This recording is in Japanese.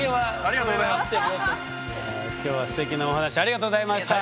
今日はステキなお話ありがとうございました。